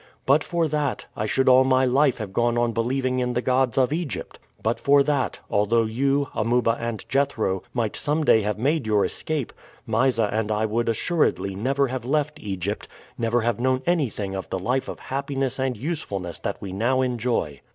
But for that, I should all my life have gone on believing in the gods of Egypt; but for that, although you, Amuba and Jethro, might some day have made your escape, Mysa and I would assuredly never have left Egypt, never have known anything of the life of happiness and usefulness that we now enjoy.